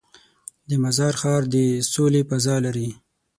د مزار ښار د سولې فضا لري.